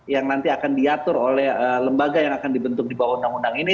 yang nanti akan diatur oleh lembaga yang akan dibentuk di bawah undang undang ini